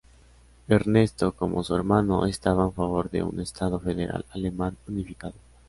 Ernesto, como su hermano, estaba en favor de un estado federal alemán unificado.